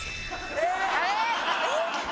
えっ？